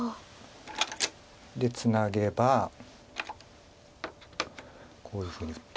でツナげばこういうふうに打って。